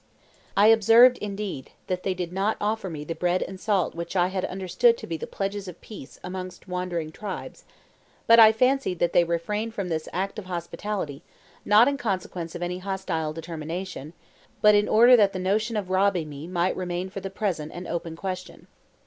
I observed, indeed, that they did not offer me the bread and salt which I had understood to be the pledges of peace amongst wandering tribes, but I fancied that they refrained from this act of hospitality, not in consequence of any hostile determination, but in order that the notion of robbing me might remain for the present an "open question."